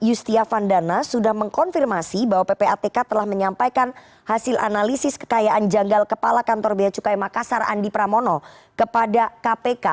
dan yustiavan dandar sudah mengkonfirmasi bahwa ppatk telah menyampaikan hasil analisis kekayaan janggal kepala kantor beacukai makassar andi pramono kepada kpk